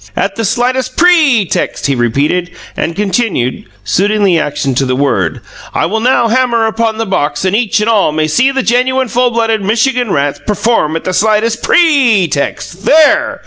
"At the slightest PRE text!" he repeated, and continued, suiting the action to the word: "I will now hammer upon the box and each and all may see these genuine full blooded Michigan rats perform at the slightest PRE text! There!